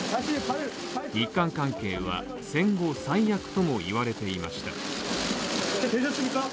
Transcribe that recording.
日韓関係は戦後最悪ともいわれていました。